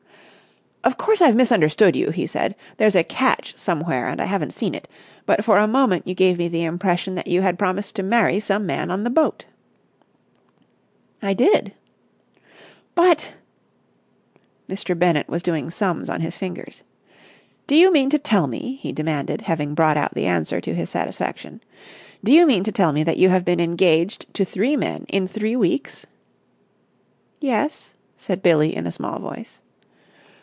"Of course I've misunderstood you," he said. "There's a catch somewhere and I haven't seen it. But for a moment you gave me the impression that you had promised to marry some man on the boat!" "I did!" "But...!" Mr. Bennett was doing sums on his fingers. "Do you mean to tell me," he demanded, having brought out the answer to his satisfaction, "do you mean to tell me that you have been engaged to three men in three weeks?" "Yes," said Billie in a small voice.